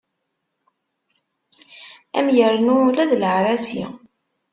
Ad am-yernu ula d leɛrasi.